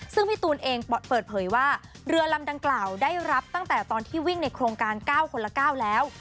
ซึ่งพี่ตูนเองเปิดเผยว่าเรือลำดังกล่าวได้รับตั้งแต่ตอนที่วิ่งในโครงการ๙คนละ๙แล้ว